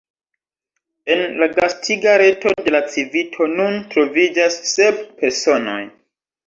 En la gastiga reto de la Civito nun troviĝas sep personoj.